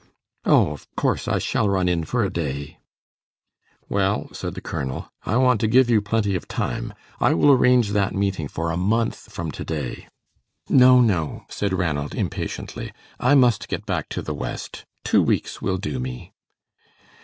"Oh, of course I shall run in for a day." "Well," said the colonel, "I want to give you plenty of time. I will arrange that meeting for a month from to day." "No, no," said Ranald, impatiently; "I must get back to the West. Two weeks will do me."